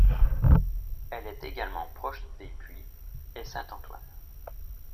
Elle est également proche des puits et Saint-Antoine.